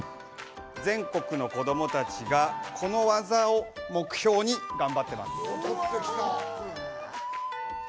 全国の子どもたちがこの技を目標に頑張ってます。